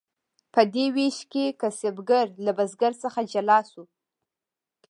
په دې ویش کې کسبګر له بزګر څخه جلا شو.